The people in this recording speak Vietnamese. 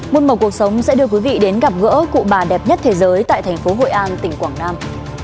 môn mở cuộc sống sẽ đưa quý vị đến gặp gỡ cụ bà đẹp nhất thế giới tại thành phố hội an tỉnh quảng nam